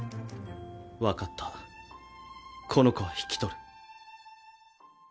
分かったこの子は引き取る。